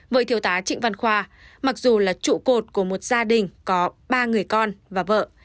với thiếu tá trịnh văn khoa mặc dù là trụ cột của một gia đình có ba người con và vợ